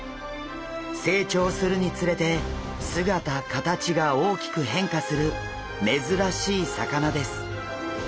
成長するにつれて姿形が大きく変化する珍しい魚です。